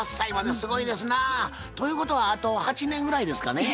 すごいですなぁ。ということはあと８年ぐらいですかねぇ。